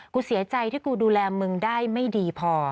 กูเสียใจที่กูดูแลมึงได้ไม่ดีพอ